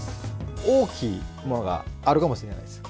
大きいものがあるかもしれないです。